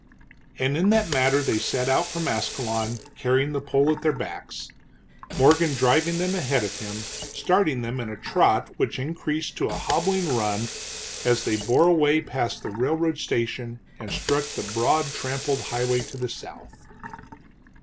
And in that manner they set out from Ascalon, carrying the pole at their backs, Morgan driving them ahead of him, starting them in a trot which increased to a hobbling run as they bore away past the railroad station and struck the broad trampled highway to the south.